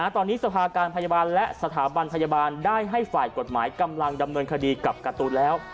ตอนนี้สภาการพยาบาลและสถาบันพยาบาลได้ให้ฝ่ายกฎหมายกำลังดำเนินคดีกับการ์ตูนแล้ว